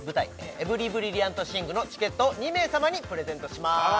「エブリ・ブリリアント・シング」のチケットを２名様にプレゼントします